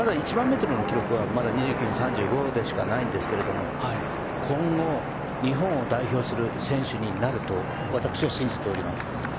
１００００ｍの記録は２９分３５しかないんですが今後日本を代表する選手になると私は信じています。